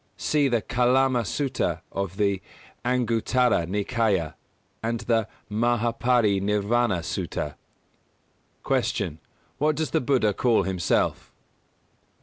(See the Kālāma Sutta of the Anguttara Nikāya, and the Mahā Pari Nirvāna Sutta.) 197. Q. _What does the Buddha call himself?